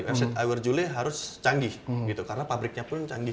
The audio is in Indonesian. website awerzule com harus canggih karena pabriknya pun canggih